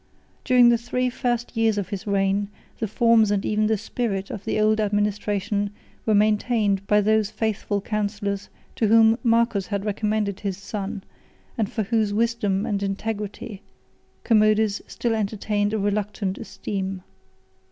] During the three first years of his reign, the forms, and even the spirit, of the old administration, were maintained by those faithful counsellors, to whom Marcus had recommended his son, and for whose wisdom and integrity Commodus still entertained a reluctant esteem.